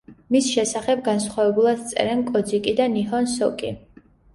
მის შესახებ განსხვავებულად წერენ კოძიკი და ნიჰონ სოკი.